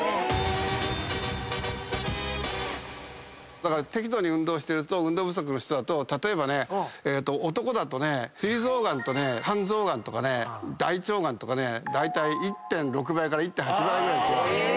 だから適度に運動してる人と運動不足の人だと例えばね男だとね膵臓がんとね肝臓がんとかね大腸がんとかねだいたい１．６倍から１．８倍ぐらい違う。